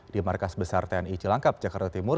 di markas besar tni cilangkap jakarta timur